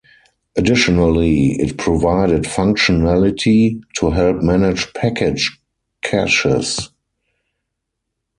Additionally, it provided functionality to help manage package caches.